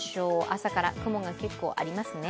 朝から雲が結構ありますね。